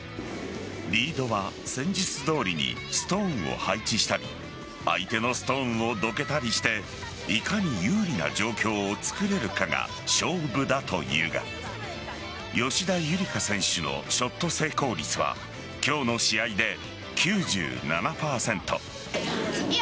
リードは戦術どおりにストーンを配置したり相手のストーンをどけたりしていかに有利な状況をつくれるかが勝負だというが吉田夕梨花選手のショット成功率は今日の試合で９７％。